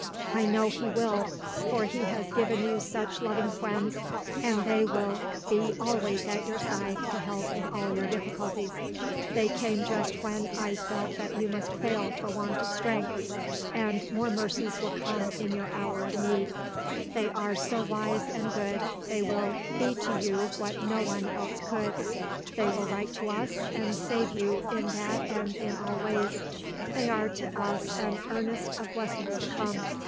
I know He will, for He has given you such loving friends, and they will be always at your side to help in all your difficulties. They came just when I felt that you must fail for want of strength, and more mercies will come in your hour of need. They are so wise and good, they will be to you what no one else could. They will write to us, and save you in that and in all ways. They are to us an earnest of blessings to come.